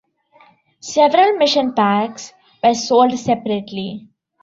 Several mission packs were sold separately.